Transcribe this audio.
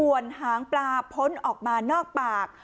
ตำแหน่งปลาพ้นออกมานอกปาก